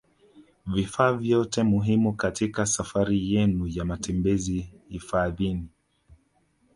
Vifaa vyote muhimu katika safari yenu ya matembezi hifadhini